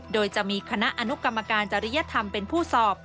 โดยจะมีคณะอนุกรรมการจริยธรรมเป็นผู้สอบ